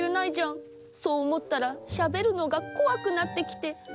そうおもったらしゃべるのがこわくなってきて。